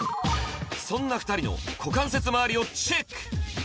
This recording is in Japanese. そんな２人の股関節まわりをチェック